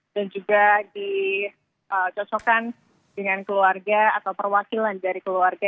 dan juga dicosokkan dengan keluarga atau perwakilan dari keluarga